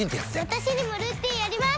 私にもルーティンあります！